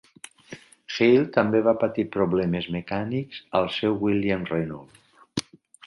Hill també va patir problemes mecànics al seu Williams-Renault.